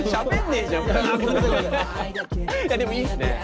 でもいいっすね。